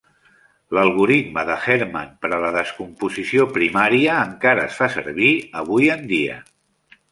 L'algoritme de Hermann per a la descomposició primària encara es fa servir avui en dia.